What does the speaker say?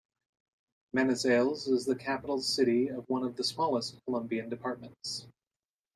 Manizales is the capital city of one of the smallest Colombian departments.